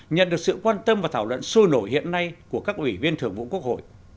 nhận được sự quan tâm và thảo luận sôi nổi hiện nay của các ủy viên thường vụ quốc hội